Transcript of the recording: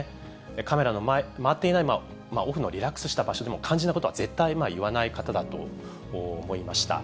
カメラの回っていない、オフのリラックスした場所でも、肝心なことは絶対言わない方だと思いました。